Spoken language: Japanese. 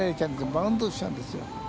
バウンドしちゃうんですよ。